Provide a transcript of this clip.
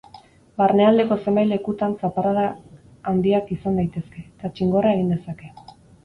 Barnealdeko zenbait lekutan zaparradak handiak izan daitezke, eta txingorra egin dezake.